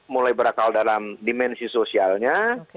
mulai berakal dalam dimensi sosialnya